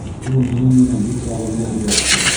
Ул минең менән бик яғымлы һөйләште.